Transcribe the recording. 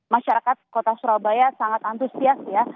masyarakat kota surabaya sangat antusias ya